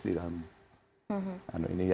di dalam ini